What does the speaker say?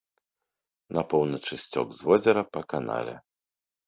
На поўначы сцёк з возера па канале.